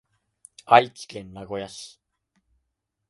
愛知県名古屋市